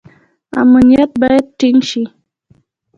امنیت باید ټینګ شي